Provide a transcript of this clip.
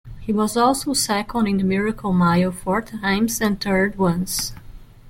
He was also second in the Miracle Mile four times and third once.